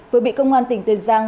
vừa bị công an tỉnh tiền giang